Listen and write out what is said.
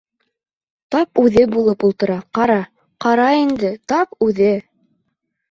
— Тап үҙе булып ултыра, ҡара, ҡара инде, тап үҙе...